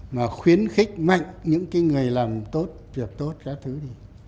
mà khuyến khích mạnh những cái người làm tốt việc tốt các thứ đi